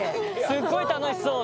すっごい楽しそう！